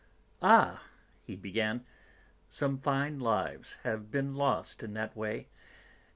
"Ah!" he began, "some fine lives have been lost in that way...